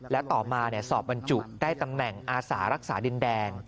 และต่อมาสอบบรรจุได้ตำแหน่งอาสารักษาดินแดน